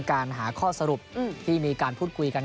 การหาข้อสรุปที่มีการพูดคุยกัน